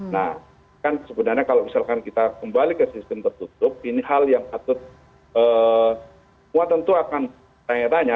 nah kan sebenarnya kalau misalkan kita kembali ke sistem tertutup ini hal yang patut semua tentu akan tanya tanya